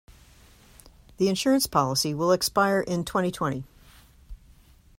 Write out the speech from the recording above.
The insurance policy will expire in twenty-twenty.